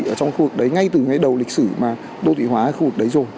ở trong khu vực đấy ngay từ ngay đầu lịch sử mà đô thị hóa ở khu vực đấy rồi